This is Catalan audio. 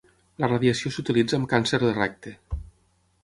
La radiació s'utilitza amb càncer de recte.